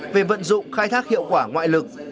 về vận dụng khai thác hiệu quả ngoại lực